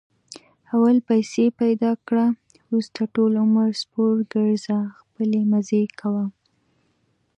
اول پیسې پیدا کړه، ورسته ټول عمر سپورګرځه خپلې مزې کوه.